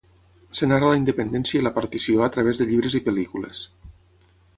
Es narra la independència i la partició a través de llibres i pel·lícules.